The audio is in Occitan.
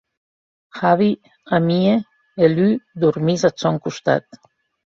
Javi amie e Lu dormís ath sòn costat.